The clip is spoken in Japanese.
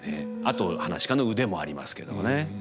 あと噺家の腕もありますけどもね。